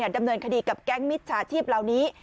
ดำเนินคดีกับแก๊งมิจฉาชีพเหล่านี้